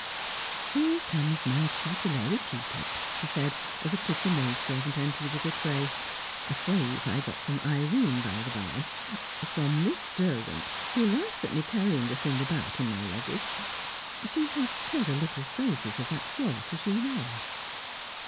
"Here comes my tutelary teapot," she said, as a pretty maid servant entered with a tray. "A phrase I got from Irene, by the bye from Miss Derwent, who laughs at my carrying the thing about in my luggage. She has clever little phrases of that sort, as you know."